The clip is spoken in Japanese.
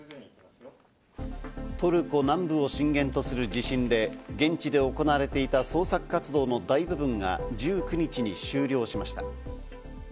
トルコ南部を震源とする地震で、現地で行われていた捜索活動の大部分が１９日に終了しました。